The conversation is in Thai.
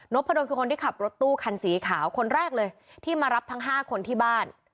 พะดนคือคนที่ขับรถตู้คันสีขาวคนแรกเลยที่มารับทั้ง๕คนที่บ้าน